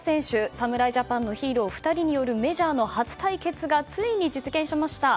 侍ジャパンのヒーロー２人によるメジャー初対決がついに実現しました。